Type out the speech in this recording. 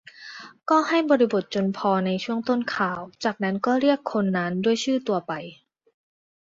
ก็ให้บริบทจนพอในช่วงต้นข่าว จากนั้นก็เรียกคนนั้นด้วยชื่อตัวไป